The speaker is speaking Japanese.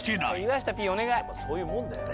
そういうもんだよね。